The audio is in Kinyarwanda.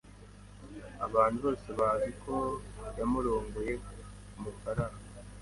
Abantu bose bazi ko yamurongoye kumafaranga.